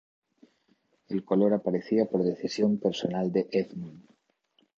El color aparecía por decisión personal de Edmond.